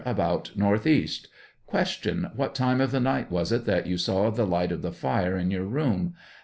About northeast. Q. What time of the night was it that you saw the light of the fire in your room